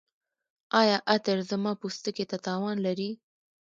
ایا عطر زما پوستکي ته تاوان لري؟